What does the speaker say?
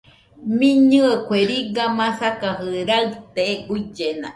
Mɨnɨe kue riga masakajɨ raɨte, guillena